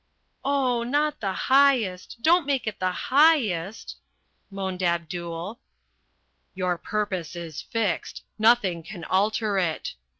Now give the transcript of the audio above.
"Oh, not the highest; don't make it the highest," moaned Abdul. "Your purpose is fixed. Nothing can alter it.